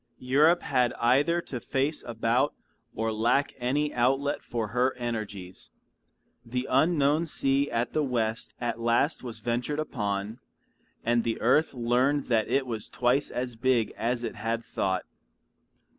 Europe had either to face about or lack any outlet for her energies; the unknown sea at the west at last was ventured upon, and the earth learned that it was twice as big as it had thought.